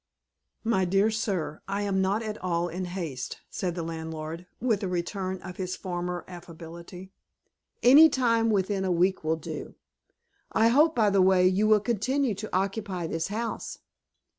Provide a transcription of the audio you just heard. "My dear sir, I am not at all in haste," said the landlord, with a return of his former affability. "Any time within a week will do. I hope, by the way, you will continue to occupy this house."